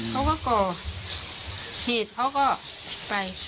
เขาก็ก่อเหตุเขาก็ไป